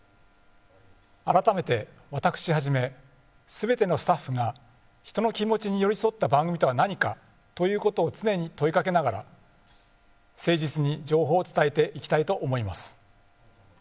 改めて、私はじめ全てのスタッフが人の気持ちに寄り添った番組とは何かということを常に問いかけながら誠実に情報を伝えていきたいと思います。